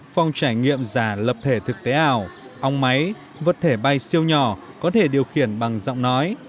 phong trải nghiệm giả lập thể thực tế ảo ong máy vật thể bay siêu nhỏ có thể điều khiển bằng giọng nói